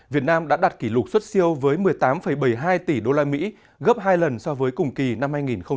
việt nam đã đặt kỷ lục xuất siêu với một mươi tám bảy mươi hai tỷ usd gấp hai lần so với cùng kỳ năm hai nghìn một mươi chín